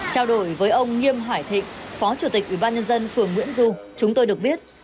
trao đổi với ông nghiêm hải thịnh phó chủ tịch ủy ban nhân dân phường nguyễn du chúng tôi được biết